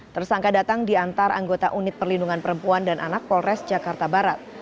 tersangka datang di antar anggota unit perlindungan perempuan dan anak polres jakarta barat